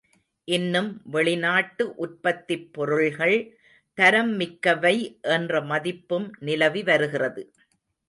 இன்னும் வெளிநாட்டு உற்பத்திப் பொருள்கள் தரம் மிக்கவை என்ற மதிப்பும் நிலவிவருகிறது.